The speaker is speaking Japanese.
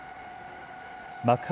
幕張